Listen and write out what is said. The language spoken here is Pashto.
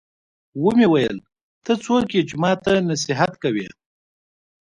ومې ويل ته څوک يې چې ما ته نصيحت کوې.